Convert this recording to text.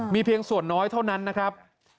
มีเพียงส่วนน้อยเท่านั้นนะครับ